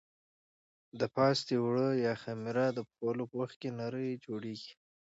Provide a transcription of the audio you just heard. د پاستي اوړه یا خمېره د پخولو په وخت کې نرۍ جوړېږي.